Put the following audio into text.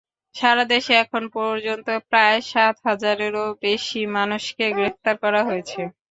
সারা দেশে এখন পর্যন্ত প্রায় সাত হাজারেরও বেশি মানুষকে গ্রেপ্তার করা হয়েছে।